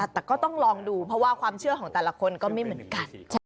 แต่ก็ต้องลองดูเพราะว่าความเชื่อของแต่ละคนก็ไม่เหมือนกัน